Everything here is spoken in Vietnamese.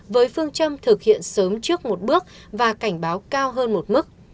với phương châm thực hiện sớm trước một bước và cảnh báo cao hơn một mức